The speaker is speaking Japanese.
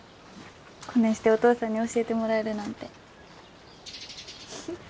こねんしてお父さんに教えてもらえるなんて。